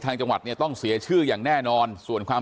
จังหวัดเนี่ยต้องเสียชื่ออย่างแน่นอนส่วนความ